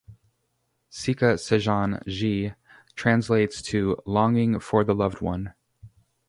Sika Sajan Jee translates to ‘"Longing for the Loved One"’.